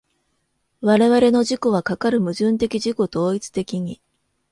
我々の自己はかかる矛盾的自己同一的に